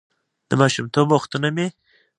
«د ماشومتوب وختونه مې: